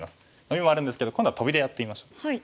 ノビもあるんですけど今度はトビでやってみましょう。